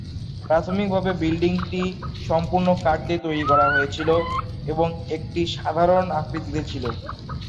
প্রাথমিকভাবে বিল্ডিংটি সম্পূর্ণ কাঠ দিয়ে তৈরী করা হয়ে ছিল এবং একটি সাধারণ আকৃতিতে ছিল।